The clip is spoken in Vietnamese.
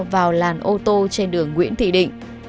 vào làn ô tô trên đường nguyễn thị định